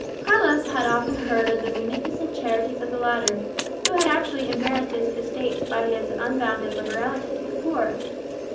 Carlos had often heard of the munificent charities of the latter, who had actually embarrassed his estates by his unbounded liberality to the poor.